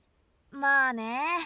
まあね。